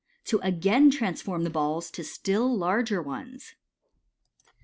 To again Transform the Balls to still Large* Ones.